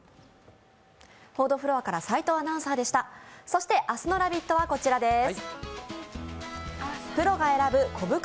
そして、明日の「ラヴィット！」はこちらです。